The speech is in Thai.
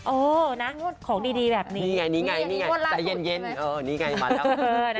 เออนะงวดของดีแบบนี้นี่ไงนี่ไงนี่ไงใจเย็นนี่ไงมาแล้ว